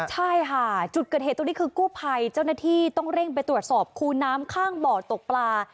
ใช่ค่ะจุดเกิดเหตุตรงนี้คือกู้ภัยเจ้าหน้าที่ต้องเร่งไปตรวจสอบคูน้ำข้างบ่อตกปลา